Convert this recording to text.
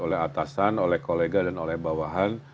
oleh atasan oleh kolega dan oleh bawahan